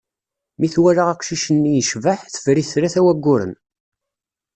Mi twala aqcic-nni, yecbeḥ, teffer-it tlata n wagguren.